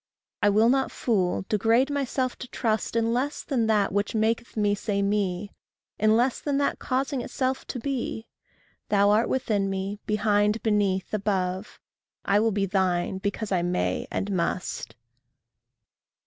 I will not fool, degrade myself to trust In less than that which maketh me say Me, In less than that causing itself to be. Then art within me, behind, beneath, above I will be thine because I may and must.